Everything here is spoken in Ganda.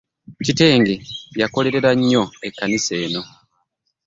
Kitenge yakolerelannyo ekkanisa eno.